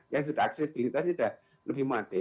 yang sudah accessibility sudah lebih made